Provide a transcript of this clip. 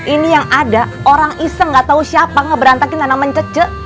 ini yang ada orang iseng gak tahu siapa ngeberantakin tanah mencece